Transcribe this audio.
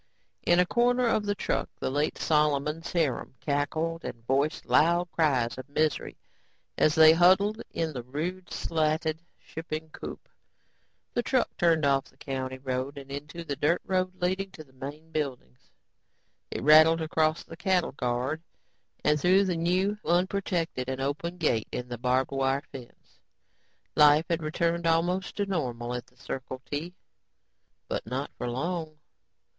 In a corner of the truck, the late Solomon's harem cackled and voiced loud cries of misery as they huddled in the rude, slatted shipping coop. The truck turned off the county road and onto the dirt road leading to the main buildings. It rattled across the cattle guard and through the new unprotected and open gate in the barbed wire fence. Life had returned almost to normal at the Circle T. But not for long.